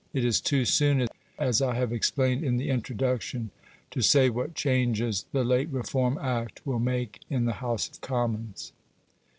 It is too soon, as I have explained in the introduction, to say what changes the late Reform Act will make in the House of Commons.